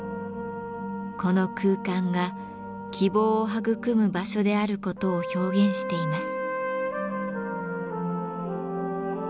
この空間が希望を育む場所であることを表現しています。